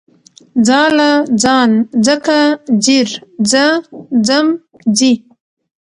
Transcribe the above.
ځاله، ځان، ځکه، ځير، ځه، ځم، ځي